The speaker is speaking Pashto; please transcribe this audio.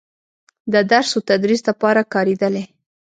د درس و تدريس دپاره کارېدلې